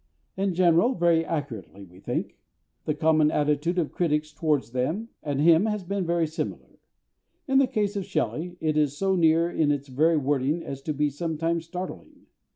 In general, very accurately, we think. The common attitude of critics towards them and him has been very similar in the case of SHELLEY it is so near in its very wording as to be sometimes startling.